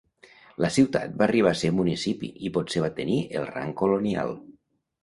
La ciutat va arribar a ser municipi i potser va tenir el rang colonial.